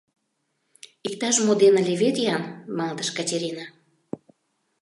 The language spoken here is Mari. Иктаж-мо дене левед-ян, — малдыш Катерина.